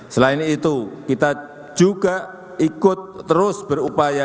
selain itu kita juga ikut terus berupaya